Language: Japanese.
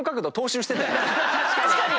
確かに！